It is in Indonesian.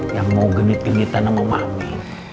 yang mau genit gengitan sama mami